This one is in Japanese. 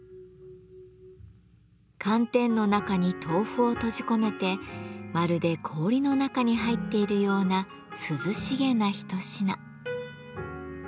寒天の中に豆腐を閉じ込めてまるで氷の中に入っているような涼しげな一品。